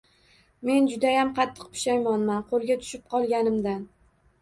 Men judayam qattiq pushaymonman qo'lga tushib qolganimdan...